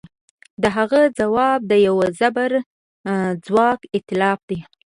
د هغه ځواب د یوه زبرځواک ایتلاف